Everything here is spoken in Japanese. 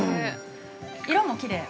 ◆色もきれい。